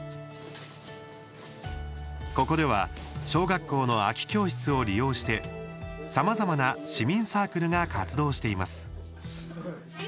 ここでは小学校の空き教室を利用してさまざまな市民サークルが活動しています。